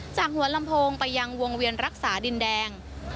จากหัวลำโพงไปยังวงเวียนรักษาดินแดง